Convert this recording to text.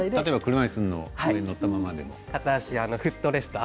車いすに乗ったままでも。